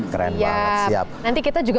keren banget siap nanti kita juga